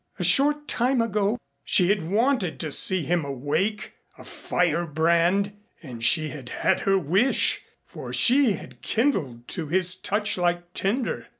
A short time ago she had wanted to see him awake a firebrand and she had had her wish, for she had kindled to his touch like tinder.